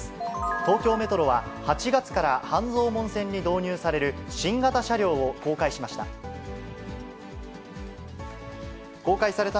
東京メトロは、８月から半蔵門線に導入される新型車両を公開しました。